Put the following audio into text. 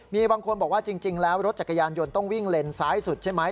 มีบางคนบอกว่าจริงแล้วรถจักรยานยนต์ต้องวิ่งเลนซ้ายสุดใช่ไหม